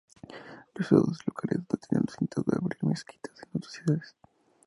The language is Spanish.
Los ciudadanos locales han detenido los intentos de abrir mezquitas en otras ciudades.